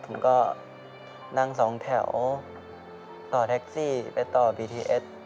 ผมก็นั่งสองแถวต่อแท็กซี่ไปต่อบีทีเอส